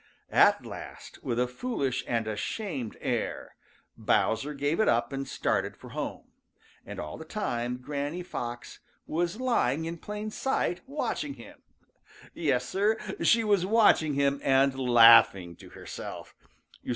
At last, with a foolish and ashamed air, Bowser gave it up and started for home, and all the time Granny Fox was lying in plain sight, watching him. Yes, Sir, she was watching him and laughing to herself.